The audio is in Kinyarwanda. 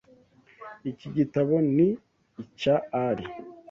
Iki gitabo ni icya Ali.